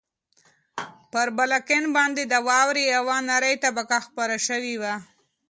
پر بالکن باندې د واورې یوه نری طبقه خپره شوې وه.